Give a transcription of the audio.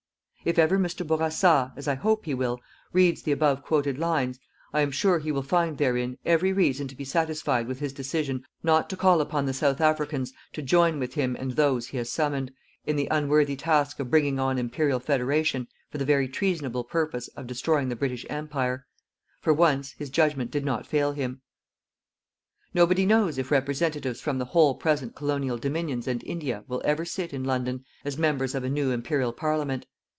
If ever Mr. Bourassa, as I hope he will, reads the above quoted lines, I am sure he will find therein every reason to be satisfied with his decision not to call upon the South Africans to join with him and those he has summoned, in the unworthy task of bringing on Imperial Federation for the very treasonable purpose of destroying the British Empire. For once, his judgment did not fail him. Nobody knows if representatives from the whole present colonial Dominions and India will ever sit, in London, as members of a new Imperial Parliament.